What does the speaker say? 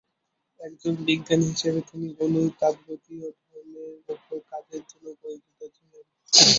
একজন বিজ্ঞানী হিসেবে তিনি অণুর তাপগতীয় ধর্মের উপর কাজের জন্য পরিচিত ছিলেন।